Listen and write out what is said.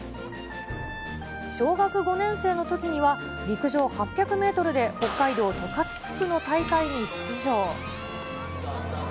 小学５年生のときには、陸上８００メートルで北海道十勝地区の大会に出場。